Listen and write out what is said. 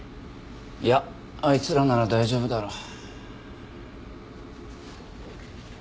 いやあいつらなら大丈夫だろう。